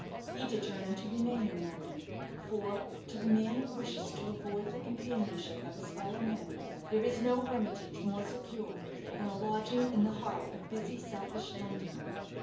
He determined to remain in London; for, to the man who wishes to avoid the companionship of his fellow men, there is no hermitage more secure than a lodging in the heart of busy, selfish London.